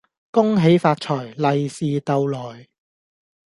恭喜發財，利是逗來